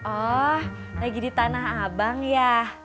oh lagi di tanah abang ya